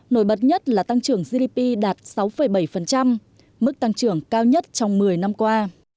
nổi bật nhất là tăng trưởng gdp đạt sáu bảy mức tăng trưởng cao nhất trong một mươi năm qua